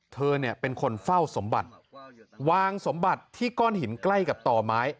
เธอเนี่ยเป็นคนเฝ้าสมบัติวางสมบัติที่ก้อนหินใกล้กับต่อไม้